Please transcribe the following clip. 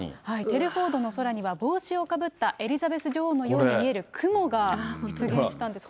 テルフォードの空には、帽子をかぶったエリザベス女王のように見える雲が出現したんです。